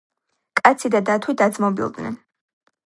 კაცი და დათვი დაძმობილდენ.